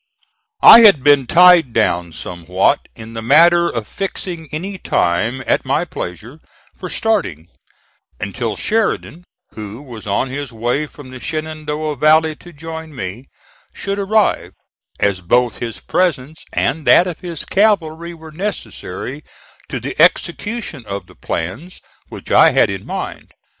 I had been tied down somewhat in the matter of fixing any time at my pleasure for starting, until Sheridan, who was on his way from the Shenandoah Valley to join me, should arrive, as both his presence and that of his cavalry were necessary to the execution of the plans which I had in mind.